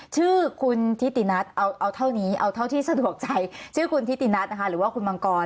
ชื่อคุณทิตินัทเอาเท่านี้เอาเท่าที่สะดวกใจชื่อคุณทิตินัทนะคะหรือว่าคุณมังกร